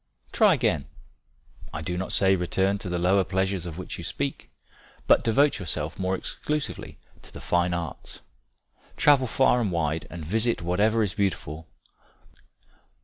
"Try again I do not say return to the lower pleasures of which you speak, but devote yourself more exclusively to the fine arts. Travel far and wide and visit whatever is beautiful.